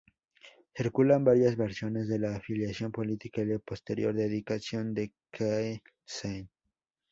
Circulan varias versiones de la afiliación política y la posterior deificación de Cai Shen.